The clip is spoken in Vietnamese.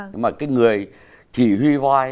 nhưng mà cái người chỉ huy voi